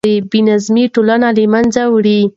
بې نظمي ټولنه له منځه وړي.